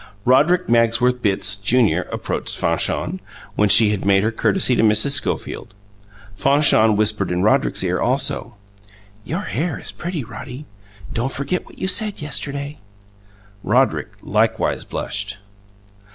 Roderick Magsworth Bitts, Junior, approached Fanchon, when she had made her courtesy to Mrs. Schofield. Fanchon whispered in Roderick's ear also. "Your hair is pretty, Roddy! Don't forget what you said yesterday!" Roderick likewise blushed.